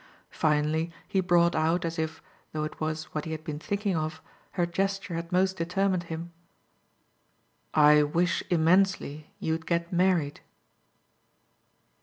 Finally he brought out as if, though it was what he had been thinking of, her gesture had most determined him: "I wish immensely you'd get married!"